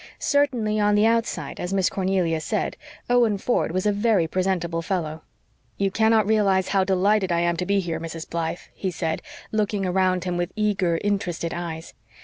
Certainly, on the outside, as Miss Cornelia said, Owen Ford was a very presentable fellow. "You cannot realise how delighted I am to be here, Mrs. Blythe," he said, looking around him with eager, interested eyes.